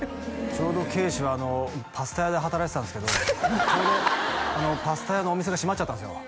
ちょうど圭史はパスタ屋で働いてたんですけどちょうどパスタ屋のお店が閉まっちゃったんですよ